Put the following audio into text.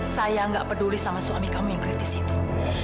saya nggak peduli sama suami kamu yang kritis itu